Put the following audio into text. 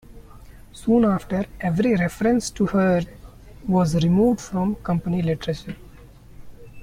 Soon after every reference to her was removed from company literature.